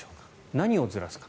何をずらすのか。